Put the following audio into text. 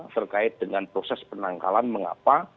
terkait dengan proses penangkalan mengapa